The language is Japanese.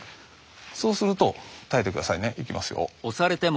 そうすると耐えて下さいねいきますよ。